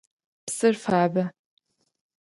Псыр фабэ.